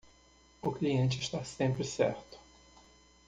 O cliente está sempre certo.